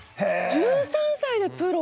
１３歳でプロ！